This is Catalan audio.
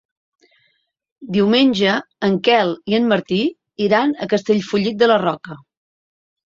Diumenge en Quel i en Martí iran a Castellfollit de la Roca.